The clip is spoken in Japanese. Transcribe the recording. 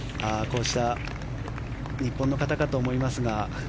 こうした日本の方かと思いますが。